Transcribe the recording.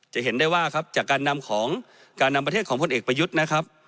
จะเห็นได้ว่าครับจากการนำของการนำประเทศของพลเอกประยุทธ์นะครับ